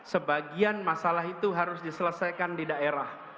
sebagian masalah itu harus diselesaikan di daerah